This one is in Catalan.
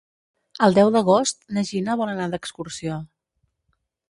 El deu d'agost na Gina vol anar d'excursió.